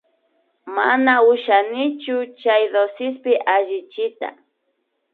Mana ushanichu chay DOCSpi allichiyta